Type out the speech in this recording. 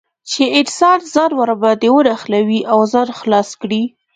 چې انسان ځان ور باندې ونښلوي او ځان خلاص کړي.